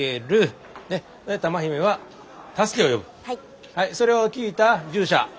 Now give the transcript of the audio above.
はいそれを聞いた従者。